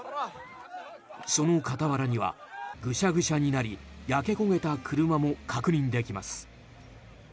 その傍らにはぐしゃぐしゃになり焼け焦げた車も確認できます。